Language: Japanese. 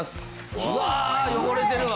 うわ汚れてるわ。